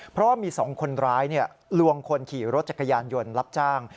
เพราะว่ามี๒คนร้ายลวงคนขี่รถจักรยานยนต์รับจ้าง